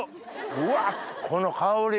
うわっこの香り。